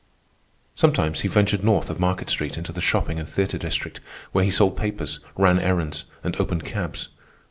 Sometimes he ventured north of Market Street into the shopping and theatre district, where he sold papers, ran errands, and opened cabs.